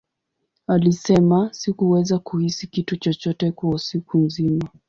Alisema, Sikuweza kuhisi kitu chochote kwa siku nzima.